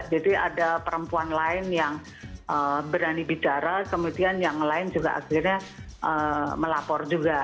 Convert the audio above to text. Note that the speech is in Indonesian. jadi ada perempuan lain yang berani bicara kemudian yang lain juga akhirnya melapor juga